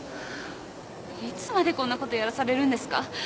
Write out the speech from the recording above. いつまでこんなことやらされるんですか？